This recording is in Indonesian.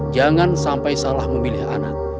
jangan sampai salah memilih anak